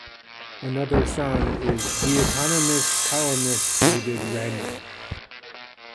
Another son is "The Economist" columnist David Rennie.